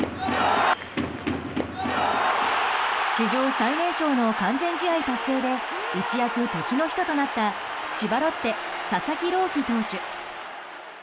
史上最年少の完全試合達成で一躍、時の人となった千葉ロッテ、佐々木朗希投手。